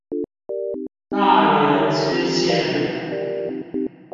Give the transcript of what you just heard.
大園支線